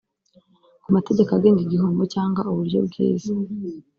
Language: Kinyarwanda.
ku mategeko agenga igihombo cyangwa uburyo bwiza